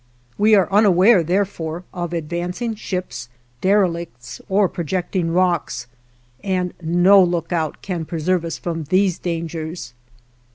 We are unaware, therefore, of advancing ships, derelicts, or projecting rocks, and no lookout can preserve us from these dangers.